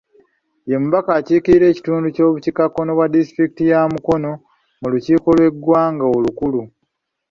Ye mubaka akiikirira ekitundu ky'obukiikakkono bwa disitulikiti ya Mukono mu lukiiko lw'eggwanga olukulu